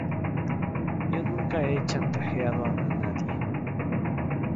Yo nunca he chantajeado a nadie.